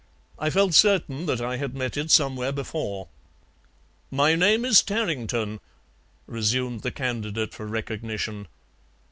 I felt certain that I had met it somewhere before." "My name is Tarrington," resumed the candidate for recognition.